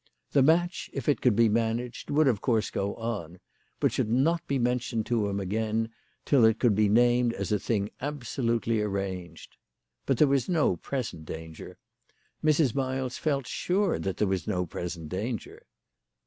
The match, if it could be managed, would of course go on, but should not be mentioned to him again till it could be named as a thing absolutely arranged. But there was no present danger. Mrs. Miles felt sure that there was no present danger.